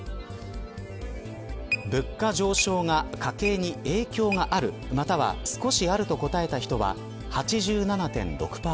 物価上昇が家計に影響があるまたは少しあると答えた人は８７．６％。